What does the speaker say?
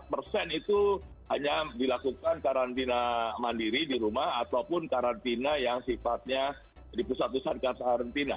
lima puluh persen itu hanya dilakukan karantina mandiri di rumah ataupun karantina yang sifatnya di pusat pusat karantina